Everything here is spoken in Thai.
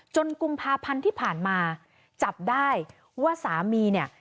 กุมภาพันธ์ที่ผ่านมาจับได้ว่าสามีเนี่ย